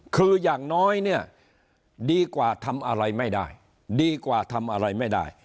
คืออย่างน้อยเนี่ยดีกว่าทำอะไรไม่ได้ดีกว่าทำอะไรไม่ได้